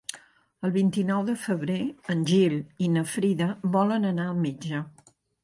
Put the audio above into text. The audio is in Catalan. El vint-i-nou de febrer en Gil i na Frida volen anar al metge.